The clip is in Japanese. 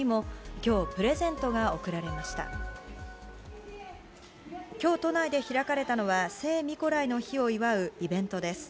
きょう、都内で開かれたのは聖ミコライの日を祝うイベントです。